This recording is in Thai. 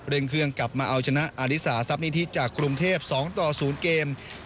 เครื่องกลับมาเอาชนะอาริสาทรัพนิธิจากกรุงเทพ๒ต่อ๐เกม